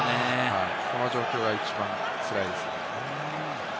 この状況は一番つらいですね。